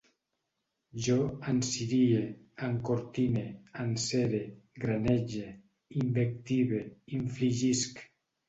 Jo encirie, encortine, encere, granege, invective, infligisc